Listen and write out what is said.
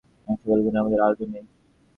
এই সকল গুণ আমাদের আদৌ নাই।